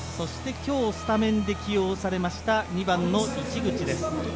今日スタメンで起用された２番の市口です。